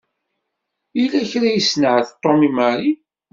Yella kra i s-isenɛet Tom i Mary.